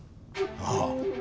ああ。